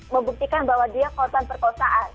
membuktikan bahwa dia korban perkosaan